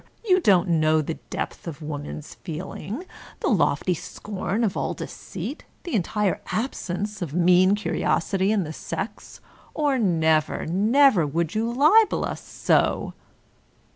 You don't know the depth of woman's feeling, the lofty scorn of all deceit, the entire absence of mean curiosity in the sex, or never, never would you libel us so